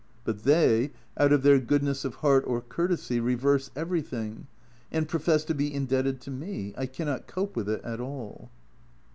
But they, out of their goodness of heart or courtesy, reverse everything, and profess to be indebted to me ! I cannot cope with it at all.